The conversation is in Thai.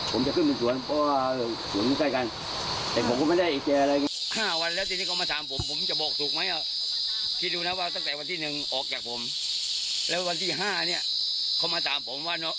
ผมจะขึ้นเป็นสวนเพราะว่าสวนมือไกลกัน